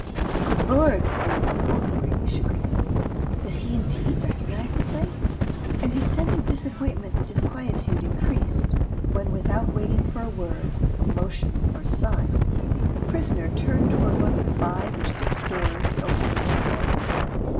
"Good Lord!" murmured Lecoq, greatly chagrined, "does he indeed recognize the place?" And his sense of disappointment and disquietude increased when, without waiting for a word, a motion, or a sign, the prisoner turned toward one of the five or six doors that opened into the courtyard.